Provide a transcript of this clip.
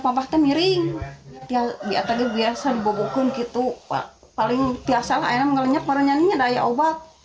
paham miring biasa dibobokin gitu paling biasalah yang ngelenyap warnanya daya obat